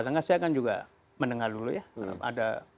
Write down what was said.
tengah saya akan juga mendengar dulu ya